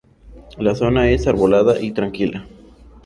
La zona es arbolada y tranquila.